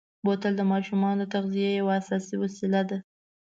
بوتل د ماشومو د تغذیې یوه اساسي وسیله ده.